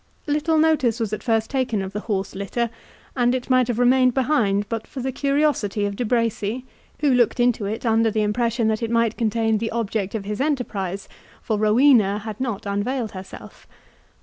Little notice was at first taken of the horse litter, and it might have remained behind but for the curiosity of De Bracy, who looked into it under the impression that it might contain the object of his enterprise, for Rowena had not unveiled herself.